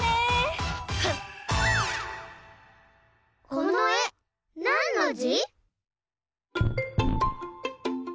このえなんのじ？